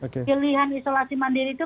pilihan isolasi mandiri itu